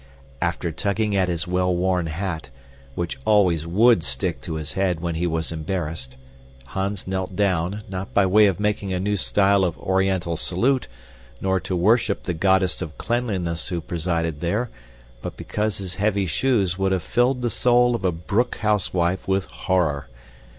After tugging at his well worn hat, which always WOULD stick to his head when he was embarrassed, Hans knelt down, not by way of making a new style of oriental salute, nor to worship the goddess of cleanliness who presided there, but because his heavy shoes would have filled the soul of a Broek housewife with horror.